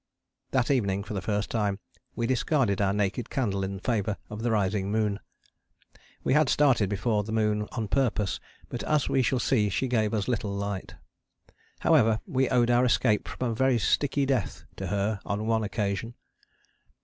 That evening, for the first time, we discarded our naked candle in favour of the rising moon. We had started before the moon on purpose, but as we shall see she gave us little light. However, we owed our escape from a very sticky death to her on one occasion.